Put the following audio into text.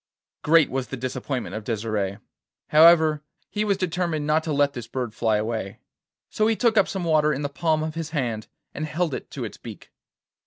Great was the disappointment of Desire. However, he was determined not to let this bird fly away; so he took up some water in the palm of his hand and held it to its beak.